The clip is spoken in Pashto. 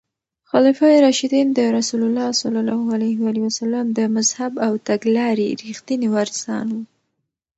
خلفای راشدین د رسول الله ص د مذهب او تګلارې رښتیني وارثان وو.